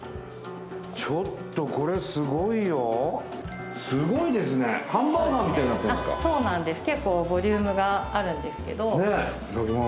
ちょっとこれすごいよすごいですねハンバーガーみたいになってるんすかそうなんです結構ボリュームがあるんですけどいただきまー